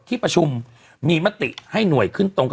ที่ประชุมมีมติให้หน่วยขึ้นตรงกับ